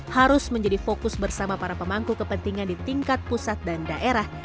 harus menjadi fokus bersama para pemangku kepentingan di tingkat pusat dan daerah